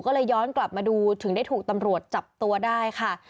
ก็เลยย้อนกลับมาดูถึงได้ถูกตำรวจจับตัวได้ค่ะ